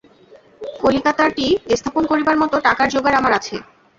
কলিকাতারটি স্থাপন করিবার মত টাকার যোগাড় আমার আছে।